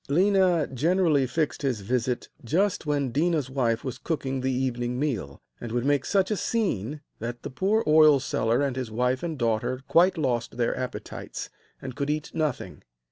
Léna generally fixed his visit just when Déna's wife was cooking the evening meal, and would make such a scene that the poor oil seller and his wife and daughter quite lost their appetites, and could eat nothing.